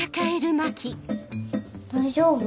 大丈夫？